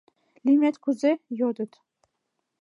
— Лӱмет кузе? — йодыт.